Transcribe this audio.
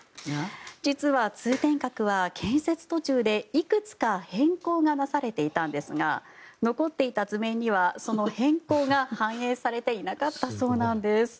実は通天閣は建設途中でいくつか変更がなされていたんですが残っていた図面にはその変更が反映されていなかったそうなんです。